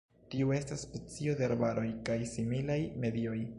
Tiu estas specio de arbaroj kaj similaj medioj.